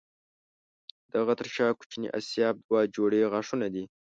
د هغه تر شا کوچني آسیاب دوه جوړې غاښونه دي.